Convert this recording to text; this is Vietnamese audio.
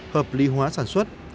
hợp lý hóa sản xuất